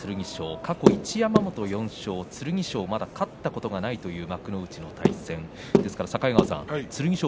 過去、一山本４勝剣翔、まだ勝てたことがないという幕内での対戦。